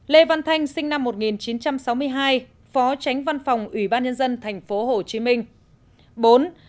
năm lê văn thanh sinh năm một nghìn chín trăm sáu mươi hai phó tránh văn phòng ủy ban nhân dân thành phố hồ chí minh